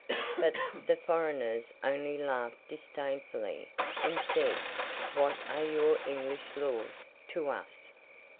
But, the foreigners only laughed disdainfully, and said, 'What are your English laws to us?